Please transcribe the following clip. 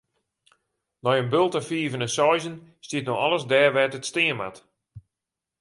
Nei in bulte fiven en seizen stiet no alles dêr wêr't it stean moat.